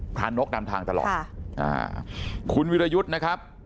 นกนำทางตลอดค่ะอ่าคุณวิรยุทธ์นะครับ